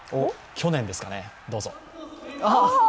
去年ですかね、どうぞ。